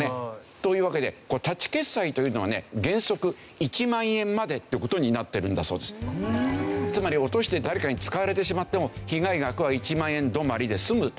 というわけでタッチ決済というのはね原則１万円までって事になってるんだそうです。つまり落として誰かに使われてしまっても被害額は１万円止まりで済むと。